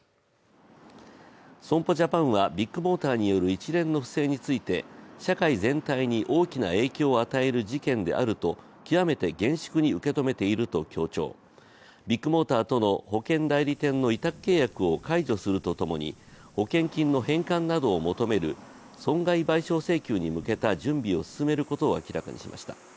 損保ジャパンはビッグモーターによる一連の不正について社会全体に大きな影響を与える事件であると極めて厳粛に受け止めていると強調、ビッグモーターとの保険代理店の委託契約を解除するとともに保険金の返還などを求める損害賠償請求に向けた準備を進めることを明らかにしました。